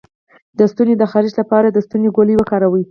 د ستوني د خارش لپاره د ستوني ګولۍ وکاروئ